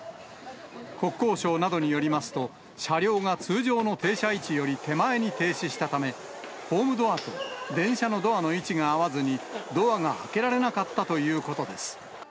国交省などによりますと、車両が通常の停車位置より手前に停止したため、ホームドアと電車のドアの位置が合わずに、ドアが開けられなかったということです。